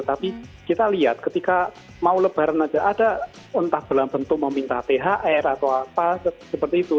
tapi kita lihat ketika mau lebaran saja ada entah dalam bentuk meminta thr atau apa seperti itu